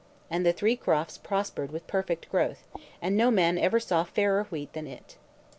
And the three crofts prospered with perfect growth, and no man ever saw fairer wheat than it.